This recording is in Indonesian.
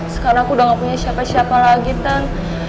sekarang aku udah gak punya siapa siapa lagi tan